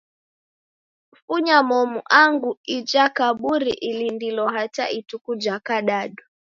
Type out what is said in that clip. Funya momu angu ija kaburi ilindilo hata ituku ja kadadu.